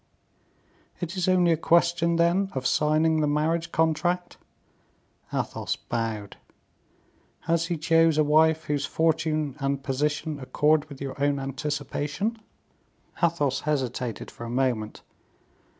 "It is only a question, then, of signing the marriage contract?" Athos bowed. "Has he chose a wife whose fortune and position accord with your own anticipation?" Athos hesitated for a moment.